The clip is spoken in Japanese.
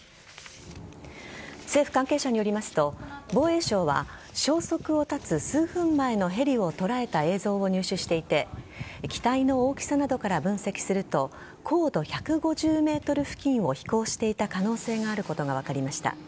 政府関係者によりますと防衛省は消息を絶つ数分前のヘリを捉えた映像を入手していて機体の大きさなどから分析すると高度１５０ｍ付近を飛行していた可能性があることが分かりました。